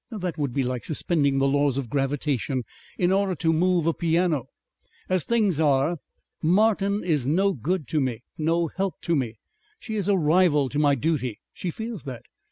That would be like suspending the laws of gravitation in order to move a piano. As things are, Martin is no good to me, no help to me. She is a rival to my duty. She feels that.